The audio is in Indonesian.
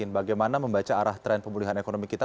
bagaimana membaca arah tren pemulihan ekonomi kita